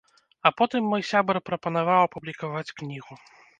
А потым мой сябар прапанаваў апублікаваць кнігу.